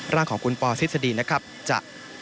ร่างของคุณปอทฤษฎีนะครับจะ